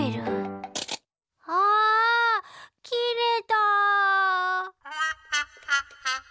あきれた！